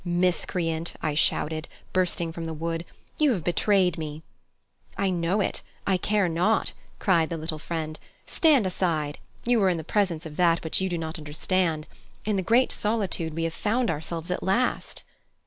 "Miscreant!" I shouted, bursting from the wood. "You have betrayed me." "I know it: I care not," cried the little friend. "Stand aside. You are in the presence of that which you do not understand. In the great solitude we have found ourselves at last."